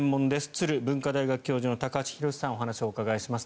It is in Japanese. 都留文科大学教授の高橋洋さんにお話を伺います。